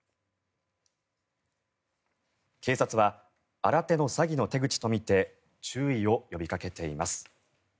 警察は新手の詐欺の手口とみて注意を呼びかけています。